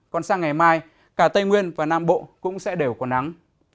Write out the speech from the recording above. còn sang ngày mai cả tây nguyên và nam bộ cũng sẽ đều có nắng